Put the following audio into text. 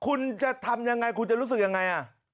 คุณจะทำยังไงคุณจะรู้สึกยังไง